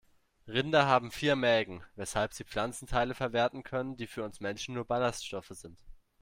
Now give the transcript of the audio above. Rinder haben vier Mägen, weshalb sie Pflanzenteile verwerten können, die für uns Menschen nur Ballaststoffe sind.